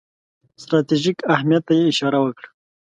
ستراتیژیک اهمیت ته یې اشاره وکړه.